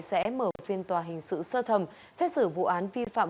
sẽ mở phiên tòa hình sự sơ thẩm xét xử vụ án vi phạm